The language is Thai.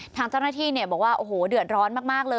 ทางเจ้าหน้าที่เนี่ยบอกว่าโอ้โหเดือดร้อนมากเลย